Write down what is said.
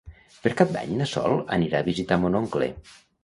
Per Cap d'Any na Sol anirà a visitar mon oncle.